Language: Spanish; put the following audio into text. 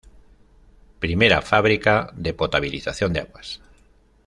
Primera fábrica de potabilización de aguas.